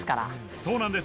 そうなんです。